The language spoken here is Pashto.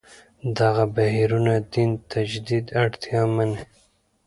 دغه بهیرونه دین تجدید اړتیا مني.